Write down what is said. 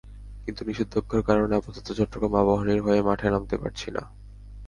কিন্তু নিষেধাজ্ঞার কারণে আপাতত চট্টগ্রাম আবাহনীর হয়ে মাঠে নামতে পারছি না।